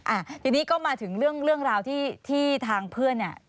อ่าทีนี้ก็มาถึงเรื่องราวที่ทางเพื่อนเนี่ย